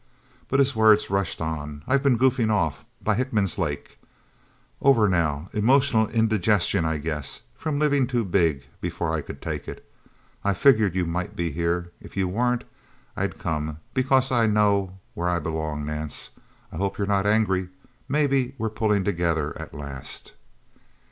But his words rushed on. "I've been goofing off by Hickman's Lake. Over now. Emotional indigestion, I guess from living too big, before I could take it. I figured you might be here. If you weren't, I'd come... Because I know where I belong. Nance I hope you're not angry. Maybe we're pulling together, at last?"